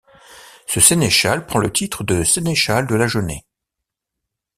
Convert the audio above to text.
Ce sénéchal prend le titre de sénéchal de l'Agenais.